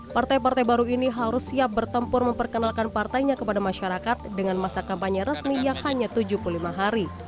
partai partai baru ini harus siap bertempur memperkenalkan partainya kepada masyarakat dengan masa kampanye resmi yang hanya tujuh puluh lima hari